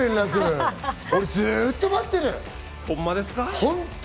俺、ずっと待ってる、本当。